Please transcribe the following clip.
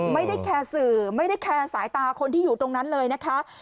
ไม่ได้แคร์สื่อไม่ได้แคร์สายตาคนที่อยู่ตรงนั้นเลยนะคะ